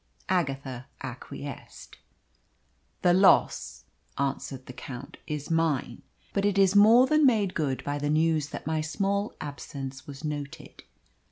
Agatha acquiesced. "The loss," answered the Count, "is mine. But it is more than made good by the news that my small absence was noted.